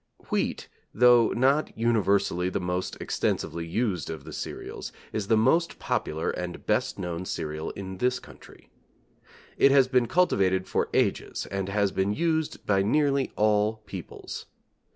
Wheat, though not universally the most extensively used of the cereals, is the most popular and best known cereal in this country. It has been cultivated for ages and has been used by nearly all peoples.